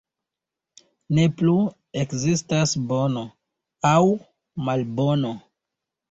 Ne plu ekzistas bono aŭ malbono.